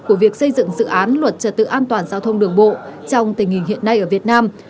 của việc xây dựng dự án luật trật tự an toàn giao thông đường bộ trong tình hình hiện nay ở việt nam